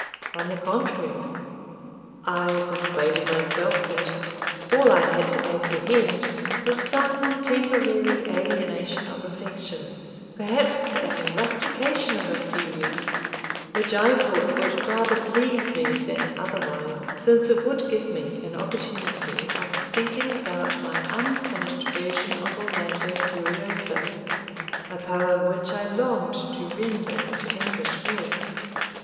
On the contrary, I persuaded myself, that all I had to apprehend was some temporary alienation of affection perhaps a rustication of a few weeks, which I thought would rather please me than otherwise, since it would give me an opportunity of setting about my unfinished version of Orlando Furioso, a poem which I longed to render into English verse.